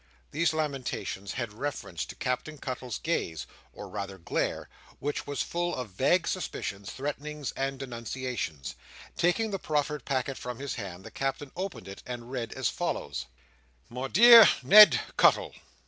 These lamentations had reference to Captain Cuttle's gaze, or rather glare, which was full of vague suspicions, threatenings, and denunciations. Taking the proffered packet from his hand, the Captain opened it and read as follows:— "'My dear Ned Cuttle.